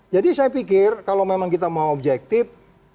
jadi saya pikir kalau memang kita mau objektif